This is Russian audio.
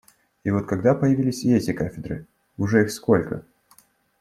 И вот, когда появились и эти кафедры, уже их сколько?